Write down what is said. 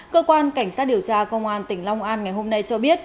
cơ quan cảnh sát điều tra công an tỉnh long an ngày hôm nay cho biết